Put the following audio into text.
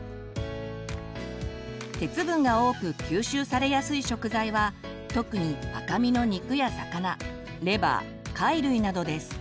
鉄分が多く吸収されやすい食材は特に赤身の肉や魚レバー貝類などです。